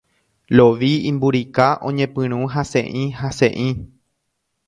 Lovi, imburika oñepyrũ hasẽ'ihasẽ'i.